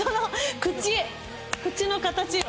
口の形よ！